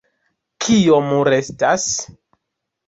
Kiom restas?